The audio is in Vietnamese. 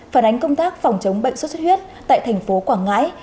phản ánh công tác phòng chống bệnh suốt suốt huyết tại thành phố quảng ngãi